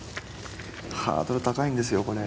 ハードル高いんですよこれ。